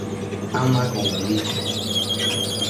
Ama kunkankichu.